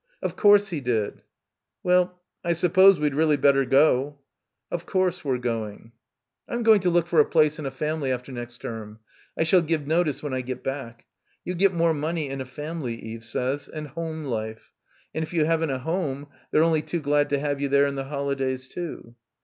"Of course he did." "Well, I s'pose we'd really better go." "Of course, we're going." "I'm going to look for a place in a family after next term. I shall give notice when I get back. You get more money in a family Eve says, and home life, and if you haven't a home they're only too glad to have you there in the holidays too."